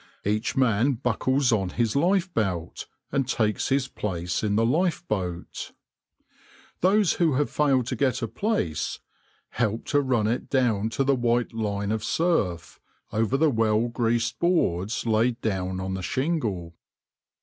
Each man buckles on his lifebelt, and takes his place in the lifeboat. Those who have failed to get a place help to run it down to the white line of surf, over the well greased boards laid down on the shingle.